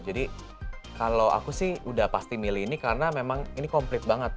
kalau aku sih udah pasti milih ini karena memang ini komplit banget